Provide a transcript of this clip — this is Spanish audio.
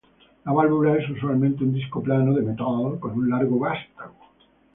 La válvula es usualmente un disco plano de metal con un largo vástago.